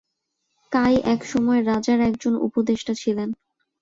কাই এক সময় রাজার একজন উপদেষ্টা ছিলেন।